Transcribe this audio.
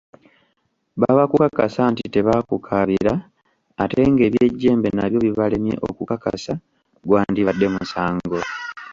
Baba kukakasa nti tebaamukaabira, ate ng'eby'ejjembe nabyo bibalemye okukakasa, gwandibadde musango.